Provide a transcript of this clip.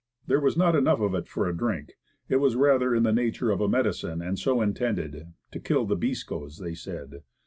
There was not enough of it for a drink; it was rather in the nature of a medicine, and so intended "To kill the biscos," they said.